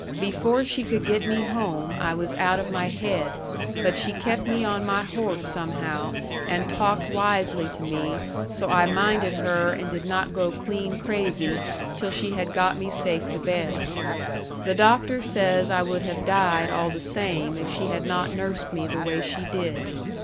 Before she could get me home I was out of my head but she kept me on my horse somehow and talked wisely to me so I minded her and did not go clean crazy till she had got me safe to bed. The doctor says I would have died all the same if she had not nursed me the way she did.